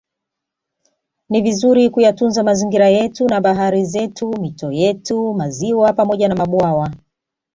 Ni vizuri kuyatunza mazingira yetu na bahari zetu mito yetu maziwa pamoja na mabwawa